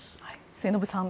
末延さん